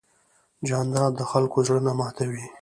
جانداد د خلکو زړه نه ماتوي.